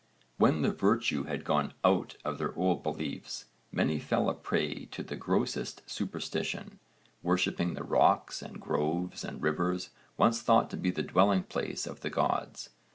When the virtue had gone out of their old beliefs many fell a prey to the grossest superstition, worshipping the rocks and groves and rivers once thought to be the dwelling place of the gods.